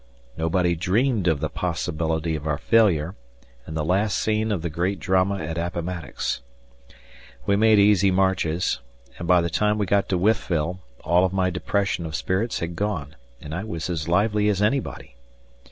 Nobody dreamed of the possibility of our failure and the last scene of the great drama at Appomattox. We made easy marches, and by the time we got to Wytheville, all of my depression of spirits had gone, and I was as lively as anybody.